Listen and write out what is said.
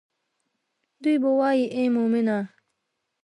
دوي به وائي اے مومنه!